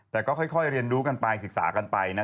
แต่ก็ค่อยเรียนรู้กันไปศึกษากันไปนะ